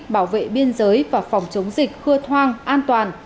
bảo vệ biên giới và phòng chống dịch khưa thoang an toàn